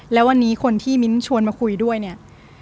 แล้ววันนี้คนที่มิ้นท์ชวนมาคุยด้วยเนี่ย